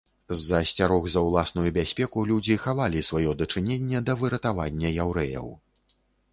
З-за асцярог за ўласную бяспеку людзі хавалі сваё дачыненне да выратавання яўрэяў.